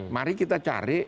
mari kita cari